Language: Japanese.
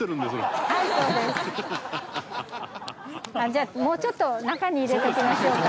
じゃあもうちょっと中に入れておきましょうか。